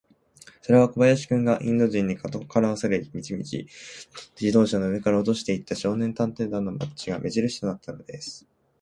それは小林君が、インド人に、かどわかされる道々、自動車の上から落としていった、少年探偵団のバッジが目じるしとなったのです。